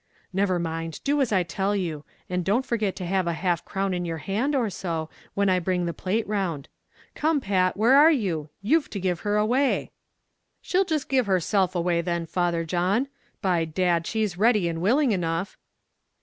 "Never mind, do as I tell you; and don't forget to have a half crown in your hand, or so, when I bring the plate round. Come, Pat, where are you? you've to give her away." "She'll jist give herself away, then, Father John; by dad, she's ready and willing enough!"